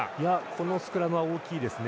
このスクラムは大きいです。